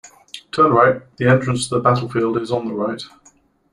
Turn right; the entrance to the battlefield is on the right.